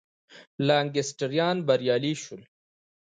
لانکسټریان بریالي شول.